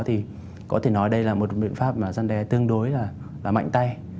thì có thể nói đây là một biện pháp mà dân đe tương đối là mạnh tay